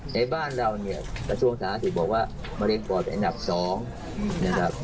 ในบ้านเราเนี่ยประชวงศาสตร์ถูกบอกว่ามะเร็งปอดเป็นอันดับสองนะครับ